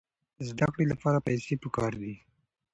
د زده کړې لپاره پیسې پکار دي.